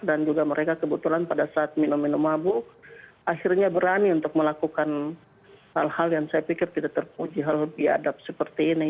dan juga mereka kebetulan pada saat minum minum mabuk akhirnya berani untuk melakukan hal hal yang saya pikir tidak terpuji hal lebih adab seperti ini